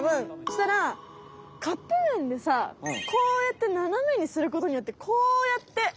そしたらカップ麺でさこうやってななめにすることによってこうやって。